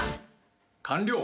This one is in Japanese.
完了。